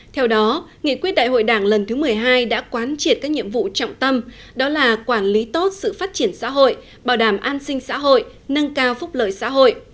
theo đó nghị quyết đại hội đảng lần thứ một mươi hai đã quán triệt các nhiệm vụ trọng tâm đó là quản lý tốt sự phát triển xã hội bảo đảm an sinh xã hội nâng cao phúc lợi xã hội